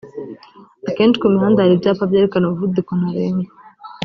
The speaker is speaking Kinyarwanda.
Ahenshi ku mihanda hari ibyapa byerekana umuvuduko ntarengwa